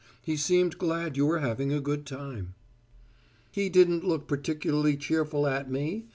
He seemed glad you were having a good time." "He didn't look particularly cheerful at me.